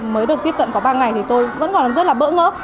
mới được tiếp cận có ba ngày thì tôi vẫn còn rất là bỡ ngỡ